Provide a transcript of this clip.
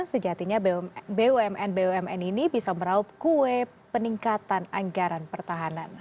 sejatinya bumn bumn ini bisa meraup kue peningkatan anggaran pertahanan